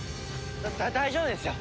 だ大丈夫ですよ！